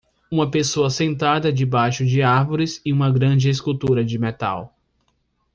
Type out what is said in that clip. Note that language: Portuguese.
Uma pessoa sentada debaixo de árvores e uma grande escultura de metal.